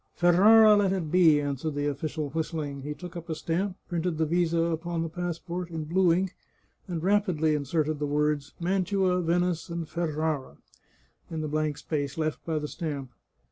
" Ferrara let it be," answered the official, whistling ; he took up a stamp, printed the visa upon the passport in blue ink, and rapidly inserted the words " Mantua, Venice, and Ferrara " in the blank space left by the stamp.